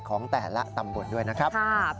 ของแต่ละตำบลด้วยนะครับ